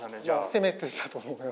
攻めてたと思います。